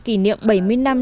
kỷ niệm bảy mươi năm